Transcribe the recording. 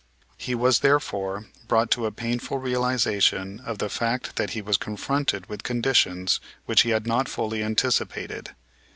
He was, therefore, brought to a painful realization of the fact that he was confronted with conditions which he had not fully anticipated.